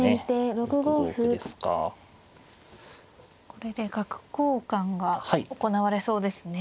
これで角交換が行われそうですね。